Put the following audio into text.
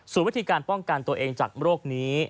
วิธีการป้องกันตัวเองจากโรคนี้